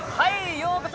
ようこそ！